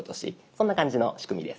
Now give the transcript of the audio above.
そんな感じの仕組みです。